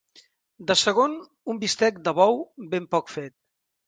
De segon, un bistec de bou ben poc fet.